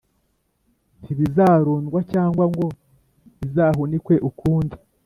Ntibizarundwa cyangwa ngo bizahunikwe ukundi,